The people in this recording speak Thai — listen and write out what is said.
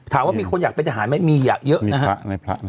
ถามว่ามีคนอยากเป็นทหารไหมมีเยอะนะฮะ